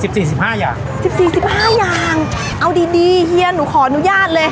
สิบสี่สิบห้าอย่างสิบสี่สิบห้าอย่างเอาดีดีเฮียหนูขออนุญาตเลย